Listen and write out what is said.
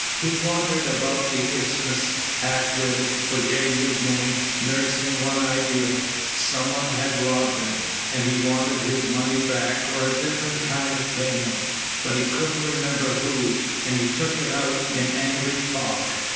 He wandered about the isthmus, half witted, forgetting his name, nursing one idea. Someone had robbed him, and he wanted his money back or a different kind of payment, but he couldn't remember who, and he took it out in angry talk.